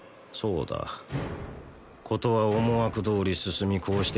そうだことは思惑どおり進みこう